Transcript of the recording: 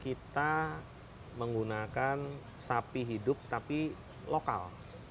kita menggunakan sapi hidup tapi lokal